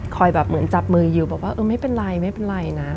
คอยแบบเหมือนจับมืออยู่บอกว่าเออไม่เป็นไรนะ